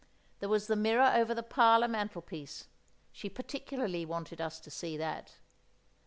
There was the mirror over the parlour mantelpiece, she particularly wanted us to see that.